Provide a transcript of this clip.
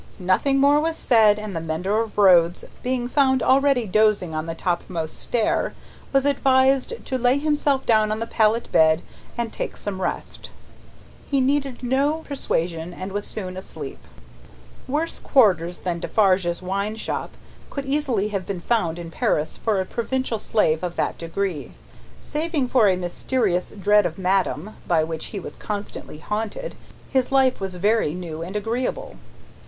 Nothing more was said, and the mender of roads, being found already dozing on the topmost stair, was advised to lay himself down on the pallet bed and take some rest. He needed no persuasion, and was soon asleep. Worse quarters than Defarge's wine shop, could easily have been found in Paris for a provincial slave of that degree. Saving for a mysterious dread of madame by which he was constantly haunted, his life was very new and agreeable.